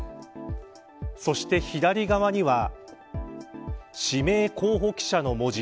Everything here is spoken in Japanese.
そして、左側には氏名候補記者の文字。